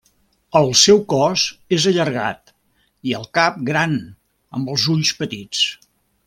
El seu cos és allargat i el cap gran amb els ulls petits.